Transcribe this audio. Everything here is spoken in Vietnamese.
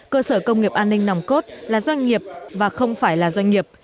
cơ sở công nghiệp an ninh nòng cốt là doanh nghiệp và không phải là doanh nghiệp